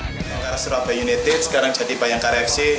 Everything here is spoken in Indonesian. antara surabaya united sekarang jadi bayangkara fc